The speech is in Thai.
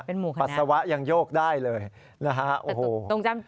ปัสสาวะยังโยกได้เลยนะฮะ